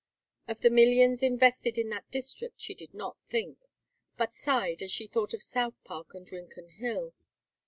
Of the millions invested in that district she did not think, but sighed as she thought of South Park and Rincon Hill.